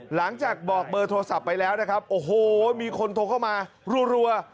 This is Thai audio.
หลังจากบอกเบอร์โทรศัพท์ไปแล้วนะครับโอ้โหมีคนโทรเข้ามารัว